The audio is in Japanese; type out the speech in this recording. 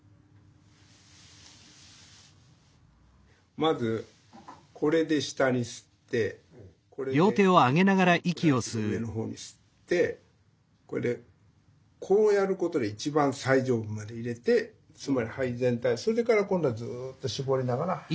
まずこれで下に吸ってこれで中くらいというか上の方に吸ってこれでこうやることで一番最上部まで入れてつまり肺全体それから今度はずっと絞りながら。